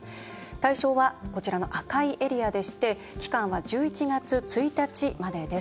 対象は赤いエリアで期間は１１月１日までです。